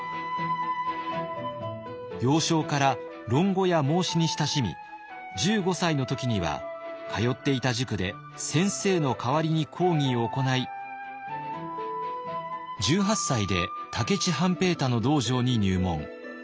幼少から論語や孟子に親しみ１５歳の時には通っていた塾で先生の代わりに講義を行い１８歳で武市半平太の道場に入門。